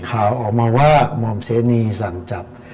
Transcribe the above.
ข่าวออกมาว่าหม่อมเสนีสั่งจับ